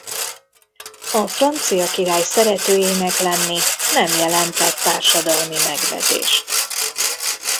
A francia király szeretőjének lenni nem jelentett társadalmi megvetést.